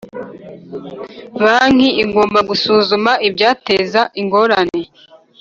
Banki igomba gusuzuma ibyateza ingorane